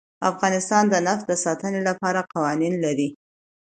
افغانستان د نفت د ساتنې لپاره قوانین لري.